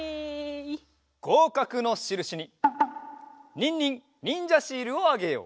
ごうかくのしるしにニンニンにんじゃシールをあげよう！